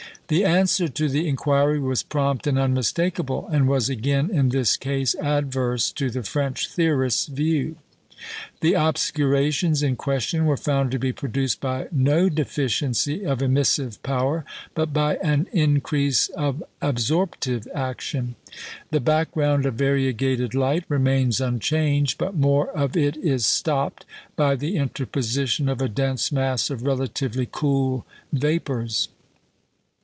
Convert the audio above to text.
The answer to the inquiry was prompt and unmistakable, and was again, in this case, adverse to the French theorist's view. The obscurations in question were found to be produced by no deficiency of emissive power, but by an increase of absorptive action. The background of variegated light remains unchanged, but more of it is stopped by the interposition of a dense mass of relatively cool vapours.